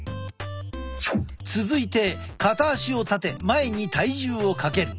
続いて片足を立て前に体重をかける。